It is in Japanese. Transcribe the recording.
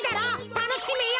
たのしめよ！